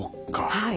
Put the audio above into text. はい。